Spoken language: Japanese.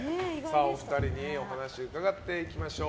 お二人にお話、伺っていきましょう。